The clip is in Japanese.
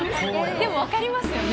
でも分かりますよね。